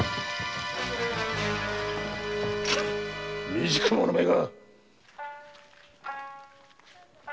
未熟者めが。